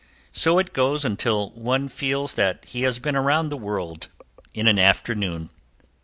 So it goes until one feels that he has been around the world in an afternoon.